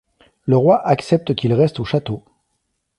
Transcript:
Le roi accepte qu'ils restent au château.